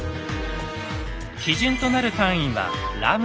基準となる単位は「λ」。